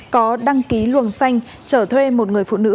có đăng ký luồng xanh trở thuê một người phụ nữ